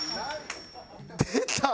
出た！